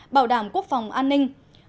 bảo đảm quốc phòng an ninh